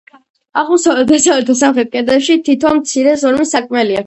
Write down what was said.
აღმოსავლეთ, დასავლეთ და სამხრეთ კედლებში თითო მცირე ზომის სარკმელია.